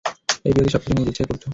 এই বিয়েতে সবকিছু নিজের ইচ্ছায় করছো।